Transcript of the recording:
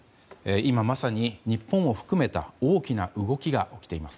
今まさに、日本を含めた大きな動きが起きています。